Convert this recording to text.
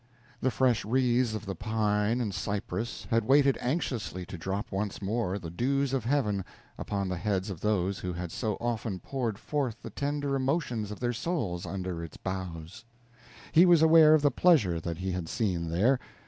The fresh wreaths of the pine and cypress had waited anxiously to drop once more the dews of Heavens upon the heads of those who had so often poured forth the tender emotions of their souls under its boughs. He was aware of the pleasure that he had seen there.